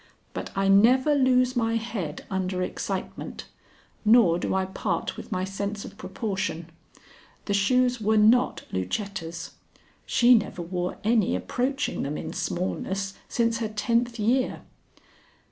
But I never lose my head under excitement, nor do I part with my sense of proportion. The shoes were not Lucetta's. She never wore any approaching them in smallness since her tenth year."